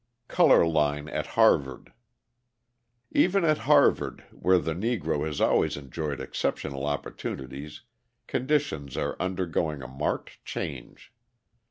Colour Line at Harvard Even at Harvard where the Negro has always enjoyed exceptional opportunities, conditions are undergoing a marked change.